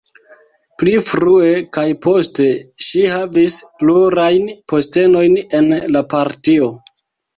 Pli frue kaj poste ŝi havis plurajn postenojn en la partio.